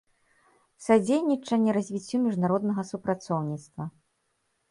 Садзейнiчанне развiццю мiжнароднага супрацоўнiцтва.